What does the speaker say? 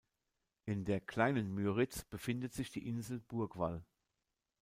In der Kleinen Müritz befindet sich die Insel Burgwall.